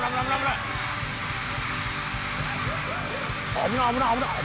危ない危ない危ない。